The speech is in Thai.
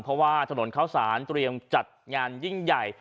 เพราะว่าถนนเข้าสารเตรียมจัดงานยิ่งใหญ่